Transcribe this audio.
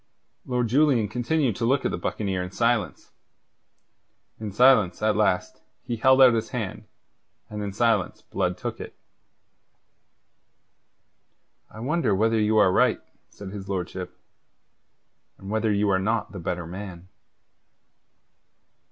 Lord Julian continued to look at the buccaneer in silence. In silence, at last, he held out his hand; and in silence Blood took it. "I wonder whether you are right," said his lordship, "and whether you are not the better man."